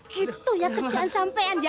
gitu ya kerjaan sampean